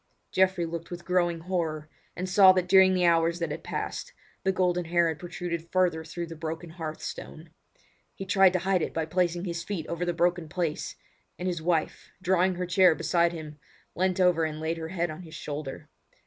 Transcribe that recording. Geoffrey looked with growing horror, and saw that during the hours that had passed the golden hair had protruded further through the broken hearth stone. He tried to hide it by placing his feet over the broken place; and his wife, drawing her chair beside him, leant over and laid her head on his shoulder.